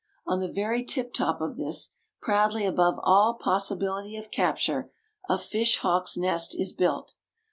On the very tip top of this, proudly above all possibility of capture, a fish hawk's nest is built.